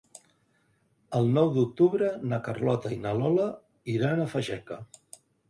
El nou d'octubre na Carlota i na Lola iran a Fageca.